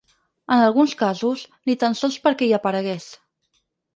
En alguns casos, ni tan sols perquè hi aparegués.